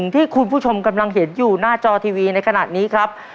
ที่คุณผู้ชมกำลังเห็นอยู่หน้าจอทีวีในขณะนี้ครับ